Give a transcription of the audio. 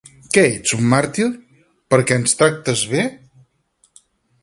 Què ets un màrtir? Perquè ens tractes bé?